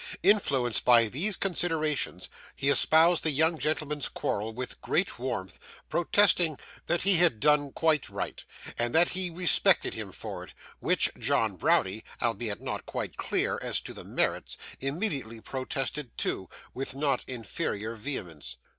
Influenced by these considerations, he espoused the young gentleman's quarrel with great warmth, protesting that he had done quite right, and that he respected him for it; which John Browdie (albeit not quite clear as to the merits) immediately protested too, with not inferior vehemence.